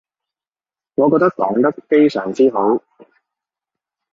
我覺得講得非常之好